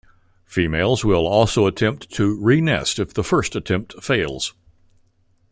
Females will also attempt to renest if the first attempt fails.